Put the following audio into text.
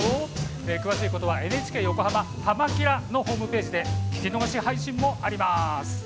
詳しいことはＮＨＫ横浜はま☆キラのホームページで聴き逃し配信もあります。